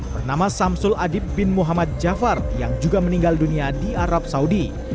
bernama samsul adib bin muhammad jafar yang juga meninggal dunia di arab saudi